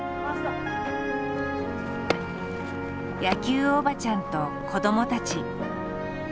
野球おばちゃんと子どもたち。